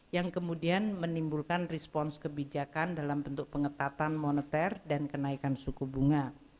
yang kemudian menimbulkan respons kebijakan dalam bentuk pengetatan moneter dan kenaikan suku bunga